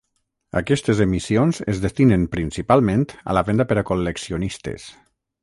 Aquestes emissions es destinen principalment a la venda per a col·leccionistes.